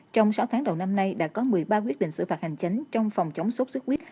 trong sáu tháng đầu năm nay đã có một mươi ba quyết định xử phạt hành chánh trong phòng chống sốt xuất huyết